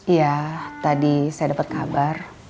iya tadi saya dapat kabar